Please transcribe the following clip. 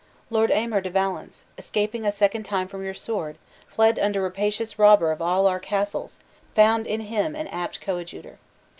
Lord Aymer de Valence, escaping a second time from your sword, fled under rapacious robber of all our castles, found in him an apt coadjutor.